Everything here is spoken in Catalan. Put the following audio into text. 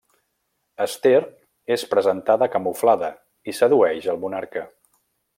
Ester és presentada camuflada i sedueix el monarca.